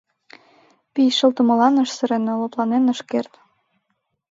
Пий шылтымылан ыш сыре, но лыпланен ыш керт.